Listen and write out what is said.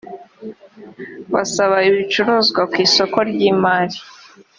basaba ibicuruzwa ku isoko ry imari